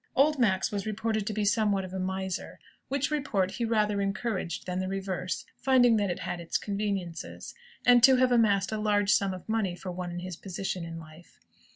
Old Max was reported to be somewhat of a miser (which report he rather encouraged than the reverse, finding that it had its conveniences), and to have amassed a large sum of money for one in his position in life.